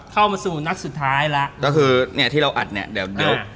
เข้ามาสู่นักสุดท้ายแล้ว